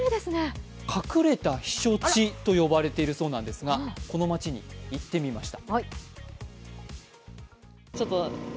隠れた避暑地と呼ばれているそうなんですが、この街に行ってみました。